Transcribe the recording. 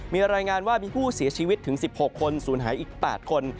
มีรายงานว่ามีผู้เสียชีวิตถึง๑๖คนศูนย์หายอีก๘คน